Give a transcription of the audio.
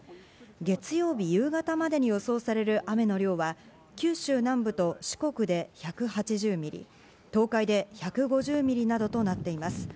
月曜日夕方までに予想される雨の量は、九州南部と四国で１８０ミリ、東海で１５０ミリなどとなっています。